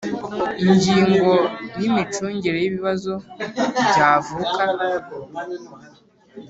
Ingingo ya Imicungire y ibibazo byavuka